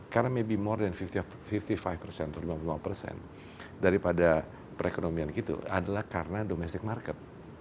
karena mungkin lebih dari lima puluh lima persen atau lima puluh lima persen daripada perekonomian gitu adalah karena domestik market